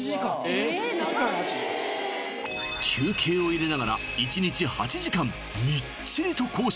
１回８時間休憩を入れながら１日８時間みっちりと講習